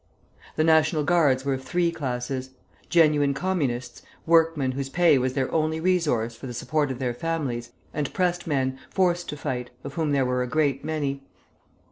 The National Guards were of three classes, genuine Communists, workmen whose pay was their only resource for the support of their families, and pressed men, forced to fight, of whom there were a great many.